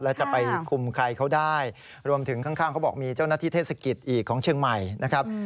แล้วจะไปคุมใครเขาได้รวมถึงข้างเขาบอกมีเจ้าหน้าที่เทศกิจอีกของเชียงใหม่นะครับ